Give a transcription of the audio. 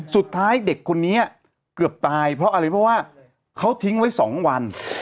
สุดท้ายเด็กคนนี้เกือบตายเพราะอะไรเพราะว่าเขาทิ้งไว้๒วัน